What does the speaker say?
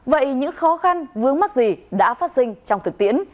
vậy những khó khăn vướng mắc gì đã phát sinh trong thực tiễn